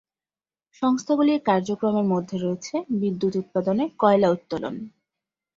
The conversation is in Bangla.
সংস্থাগুলির কার্যক্রমের মধ্যে রয়েছে বিদ্যুৎ উৎপাদনে কয়লা উত্তোলন।